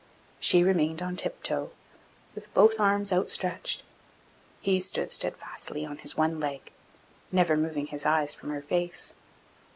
She remained on tip toe, with both arms outstretched; he stood steadfastly on his one leg, never moving his eyes from her face.